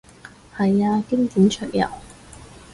係啊，經典桌遊